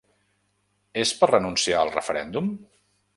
És per renunciar al referèndum?